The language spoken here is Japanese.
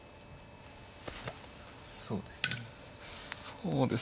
そうですね。